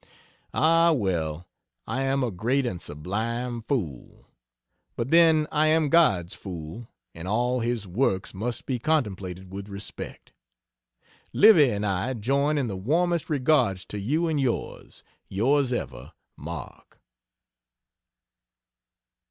Ah, well, I am a great and sublime fool. But then I am God's fool, and all His works must be contemplated with respect. Livy and I join in the warmest regards to you and yours, Yrs ever, MARK.